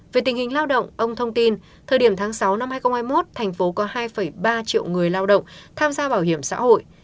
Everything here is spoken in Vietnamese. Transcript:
về tình hình lao động ông thông tin thời điểm tháng sáu năm hai nghìn hai mươi một thành phố có hai ba triệu người lao động tham gia bảo hiểm xã hội